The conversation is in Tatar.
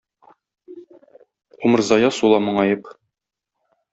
Умырзая сула моңаеп...